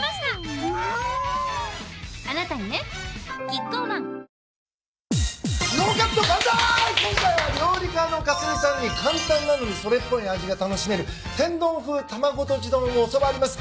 今回は料理家のかすみさんに簡単なのにそれっぽい味が楽しめる天丼風卵とじ丼を教わります。